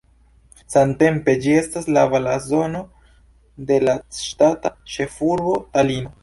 Samtempe ĝi estas la blazono de la ŝtata ĉefurbo Talino.